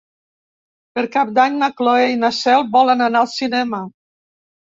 Per Cap d'Any na Cloè i na Cel volen anar al cinema.